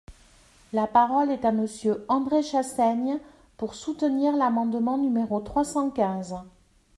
La parole est à Monsieur André Chassaigne, pour soutenir l’amendement numéro trois cent quinze.